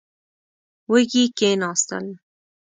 وږي کېناستل.